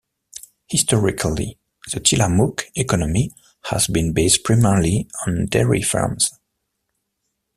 Historically, the Tillamook economy has been based primarily on dairy farms.